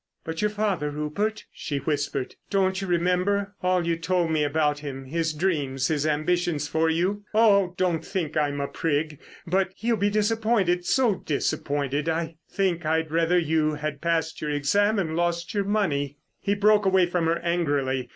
"But your father, Rupert?" she whispered. "Don't you remember—all you told me about him, his dreams, his ambitions for you? Oh! don't think I'm a prig, but he'll be disappointed, so disappointed. I think I'd rather you had passed your exam, and lost your money——" He broke away from her angrily.